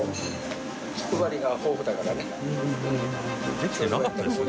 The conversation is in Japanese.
できてなかったですよ